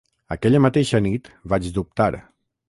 Aquella mateixa nit vaig dubtar.